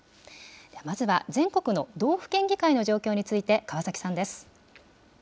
まずは、全国の道府県議会の状況について、川崎さんです。